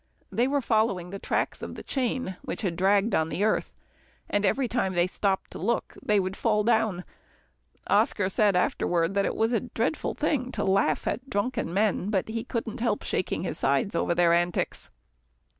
They were following the tracks of the chain that had dragged on the earth, and every time they stopped to look, they would fall down. Oscar said afterward that it was a dreadful thing to laugh at drunken men, but he couldn't help shaking his sides over their antics.